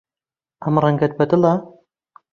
ئەم ڕەنگەت بەدڵە؟